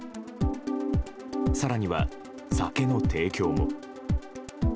更には、酒の提供も。